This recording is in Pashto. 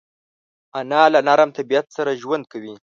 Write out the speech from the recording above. انا له نرم طبیعت سره ژوند کوي